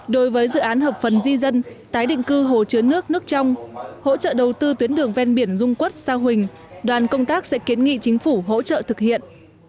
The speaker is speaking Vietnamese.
đối với dự án hợp phần di dân tái định cư hồ chứa nước nước trong hỗ trợ đầu tư tuyến đường ven biển dung quốc sa huỳnh đoàn công tác sẽ kiến nghị chính phủ hỗ trợ thực hiện